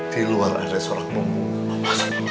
di luar ada sorak memungu